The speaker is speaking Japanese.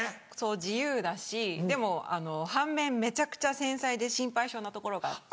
自由だしでも半面めちゃくちゃ繊細で心配性なところがあって。